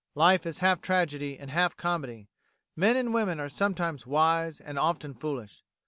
Life is half tragedy and half comedy: men and women are sometimes wise and often foolish.